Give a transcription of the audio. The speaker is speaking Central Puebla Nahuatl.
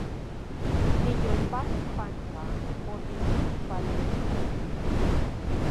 Niyolpaki panpa otitechpaleuiko